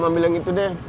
om ambil yang itu deh